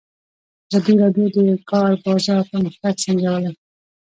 ازادي راډیو د د کار بازار پرمختګ سنجولی.